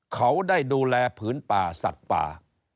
เขาได้ดูแลผืนป่าสัตว์ป่า